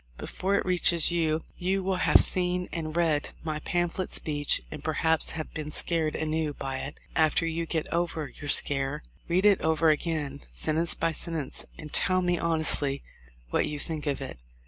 Before it reaches you you will have seen and read my pam phlet speech and perhaps have been scared anew by it. After you get over your scare read it over again, sentence by sentence, and tell me honestly what you think of it.